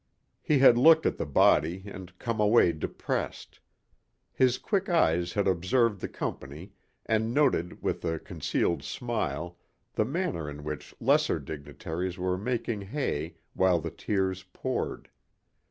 He had looked at the body and come away depressed. His quick eyes had observed the company and noted with a concealed smile the manner in which lesser dignitaries were making hay while the tears poured.